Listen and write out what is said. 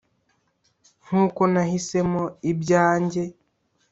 nkuko nahisemo ibyanjye.